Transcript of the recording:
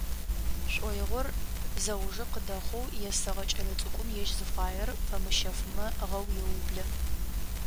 Шӏоигъор зэужэ къыдэхъоу есэгъэ кӏэлэцӏыкӏум ежь зыфаер фамыщэфымэ гъэу еублэ.